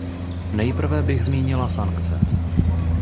Nejprve bych zmínila sankce.